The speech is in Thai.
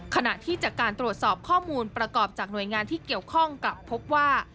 ขณะที่จากการตรวจสอบข้อมูลประกอบจากหน่วยงานที่เกี่ยวข้องกลับพบว่า